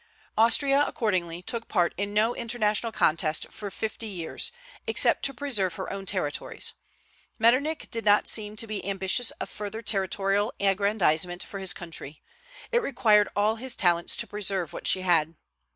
Austria, accordingly, took part in no international contest for fifty years, except to preserve her own territories. Metternich did not seem to be ambitious of further territorial aggrandizement for his country; it required all his talents to preserve what she had.